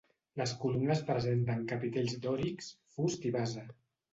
Les columnes presenten capitells dòrics, fust i base.